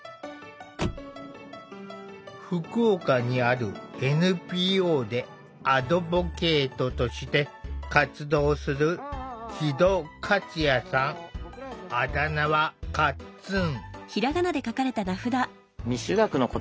福岡にあるＮＰＯでアドボケイトとして活動するあだ名はかっつん。